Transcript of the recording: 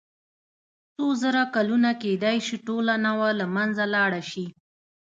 څو زره کلونه کېدای شي ټوله نوعه له منځه لاړه شي.